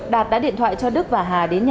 đạt đã điện thoại cho đức và hà đến